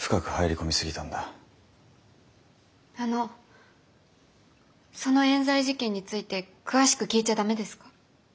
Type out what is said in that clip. あのそのえん罪事件について詳しく聞いちゃ駄目ですか？